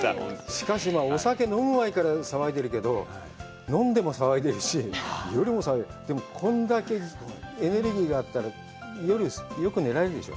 しかし、お酒飲む前から騒いでるけど、飲んでも騒いでるし、これだけエネルギーがあったら、夜、よく寝られるでしょ？